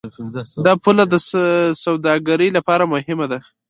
دا پوله د سوداګرۍ لپاره مهمه ده.